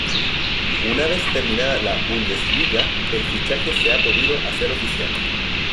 Una vez terminada la Bundesliga el fichaje se ha podido hacer oficial.